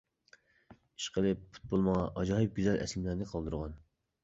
ئىشقىلىپ پۇتبول ماڭا ئاجايىپ گۈزەل ئەسلىمىلەرنى قالدۇرغان.